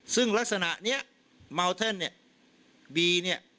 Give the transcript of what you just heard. ซึ่งลักษณะนี้มัลเทิลบี